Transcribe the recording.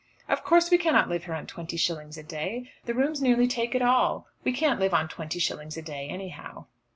"Of course we cannot live here on twenty shillings a day. The rooms nearly take it all. We can't live on twenty shillings a day, anyhow."